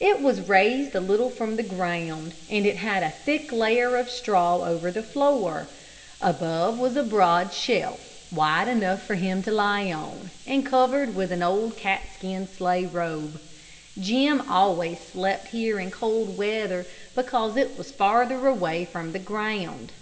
It was raised a little from the ground, and it had a thick layer of straw over the floor. Above was a broad shelf, wide enough for him to lie on, and covered with an old catskin sleigh robe. Jim always slept here in cold weather, because it was farther away from the ground.